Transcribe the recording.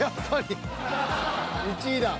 １位だ。